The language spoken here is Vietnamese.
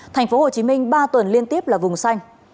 thành phố hồ chí minh ba tuần liên tiếp là vùng xanh